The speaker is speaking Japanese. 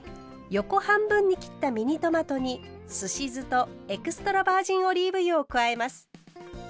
横半分に切ったミニトマトにすし酢とエクストラバージンオリーブ油を加えます。